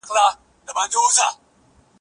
مورنۍ ژبه فشار کموي.